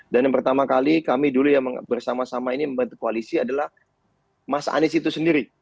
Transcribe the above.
dan yang pertama kali kami dulu bersama sama ini membantu koalisi adalah mas anies itu sendiri